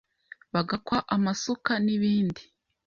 bagakwa amasuka, n’ibindi